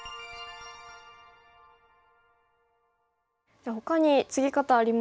じゃあほかにツギ方ありますか？